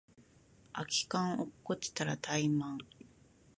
空き缶落っこちたらタイマン